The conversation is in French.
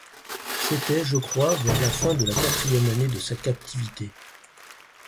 C’était, je crois, vers la fin de la quatrième année de sa captivité.